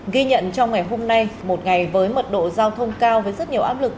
ghi nhận trong ngày hôm nay một ngày với mật độ giao thông cao với rất nhiều áp lực